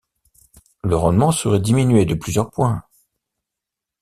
Le rendement serait diminué de plusieurs points.